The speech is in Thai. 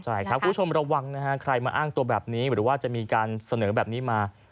ใช่ครับคุณผู้ชมระวังนะฮะใครมาอ้างตัวแบบนี้หรือว่าจะมีการเสนอแบบนี้มา